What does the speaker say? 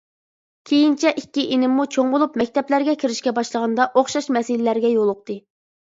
كېيىنچە ئىككى ئىنىممۇ چوڭ بولۇپ مەكتەپلەرگە كىرىشكە باشلىغاندا ئوخشاش مەسىلىلەرگە يولۇقتى.